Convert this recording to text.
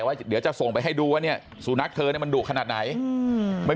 ไว้เดี๋ยวจะส่งไปให้ดูว่าเนี่ยสูญนักเธอมันดุขนาดไหนไม่